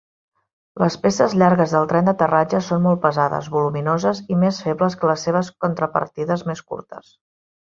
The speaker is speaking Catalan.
Les peces llargues del tren d'aterratge són molt pesades, voluminoses i més febles que les seves contrapartides més curtes.